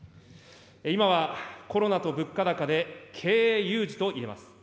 今はコロナと物価高で経営有事といえます。